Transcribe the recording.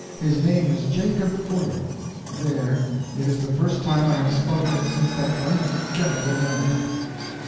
His name is Jacob Fuller. There it is the first time I have spoken it since that unforgettable night.